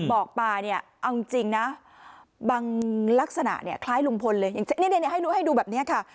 บอกปลาเนี่ยเอาจริงนะบางลักษณะเนี่ยคล้ายลุงพลเลยอย่างนี้ให้ดูแบบนี้ค่ะ